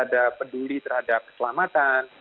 ada peduli terhadap keselamatan